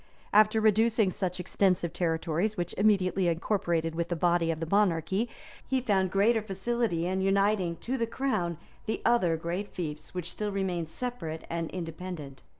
And after reducing such extensive territories, which immediately incorporated with the body of the monarchy, he found greater facility in uniting to the crown the other great fiefs which still remained separate and independent.